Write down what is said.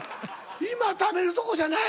今はためるとこじゃない！